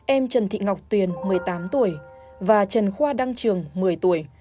em trần thị ngọc tuyền một mươi tám tuổi và trần khoa đăng trường một mươi tuổi